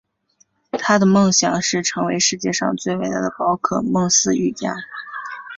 他的梦想是成为世界上最伟大的宝可梦饲育家。